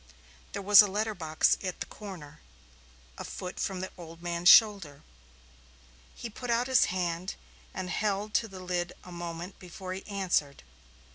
There was a letterbox at the corner, a foot from the older man's shoulder. He put out his hand and held to the lid a moment before he answered.